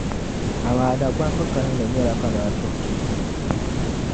Amaa Dagbamba kalinli nyԑla kamani tuhutuhili.